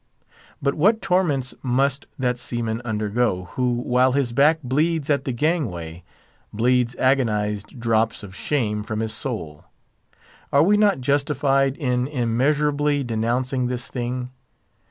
But what torments must that seaman undergo who, while his back bleeds at the gangway, bleeds agonized drops of shame from his soul! Are we not justified in immeasurably denouncing this thing?